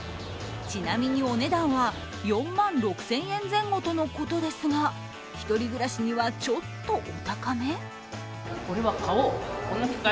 ちなみにお値段は４万６０００円前後とのことですが、１人暮らしにはちょっとお高め？